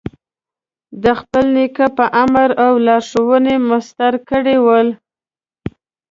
د خپل نیکه په امر او لارښوونه مسطر کړي ول.